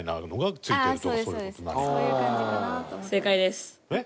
正解です。